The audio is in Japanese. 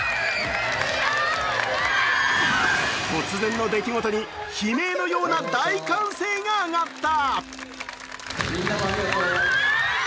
突然の出来事に悲鳴のような大歓声が上がった。